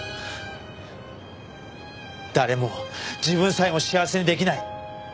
誰も自分さえも幸せにできない。